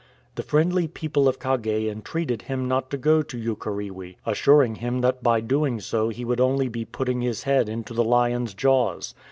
The friendly people of Kagei entreated him not to go to Ukerewe, assuring him that by doing so he would only be putting his head hito the lion's jaws.